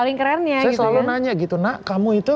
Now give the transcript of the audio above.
itu yang saya kaget saya selalu nanya gitu nak kamu itu